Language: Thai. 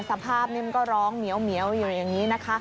สภาพนี้มันก็ร้องเหมียวอยู่อย่างนี้นะคะ